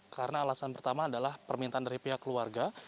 karena alasan pertama adalah permintaan dari pihak keluarga